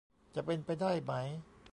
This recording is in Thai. จะเป็นไปได้ไหม